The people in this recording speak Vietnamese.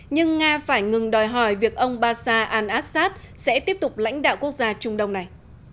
nhưng nga phải ngừng đòi hỏi việc ông basar al assad sẽ tiếp tục lãnh đạo quốc gia trung đông này